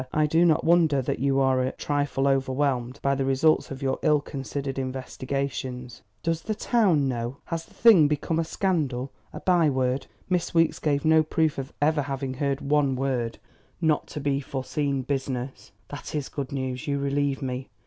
I do not wonder that you are a trifle overwhelmed by the results of your ill considered investigations." "Does the town know? Has the thing become a scandal a byword? Miss Weeks gave no proof of ever having heard one word of this dreadful not to be foreseen business." "That is good news. You relieve me.